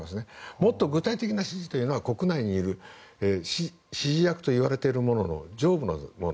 もっと具体的な指示は国内にいる指示役といわれている者の上部のもの